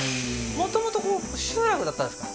元々ここ集落だったんですか？